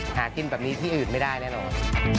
หากินแบบนี้ที่อื่นไม่ได้แน่นอน